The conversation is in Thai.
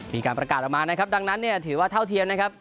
มีการประกาศออกมานะครับดังนั้นเนี่ยถือว่าเท่าเทียมนะครับ